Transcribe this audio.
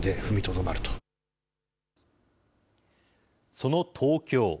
その東京。